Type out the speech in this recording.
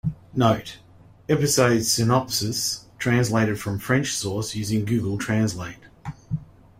Note: Episode synopsizes translated from French source using google translate.